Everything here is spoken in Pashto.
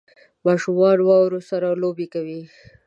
ماشومان واورو سره لوبې کوي